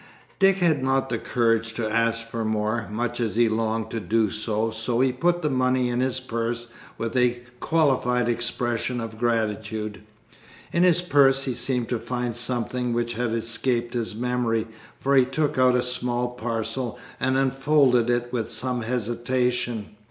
Dick had not the courage to ask for more, much as he longed to do so, so he put the money in his purse with very qualified expressions of gratitude. In his purse he seemed to find something which had escaped his memory, for he took out a small parcel and unfolded it with some hesitation.